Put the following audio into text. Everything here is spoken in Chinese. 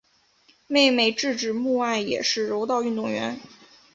妹妹志志目爱也是柔道运动员。